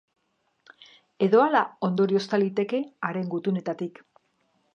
Edo hala ondoriozta liteke, haren gutunetatik.